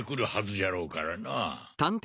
じゃろうからなぁ。